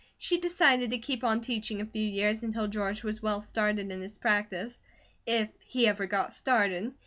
She decided to keep on teaching a few years until George was well started in his practice; if he ever got started.